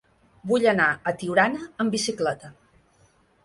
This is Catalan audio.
Vull anar a Tiurana amb bicicleta.